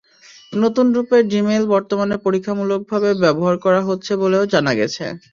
নতুন রূপের জিমেইল বর্তমানে পরীক্ষামূলকভাবে ব্যবহার করা হচ্ছে বলেও জানা গেছে।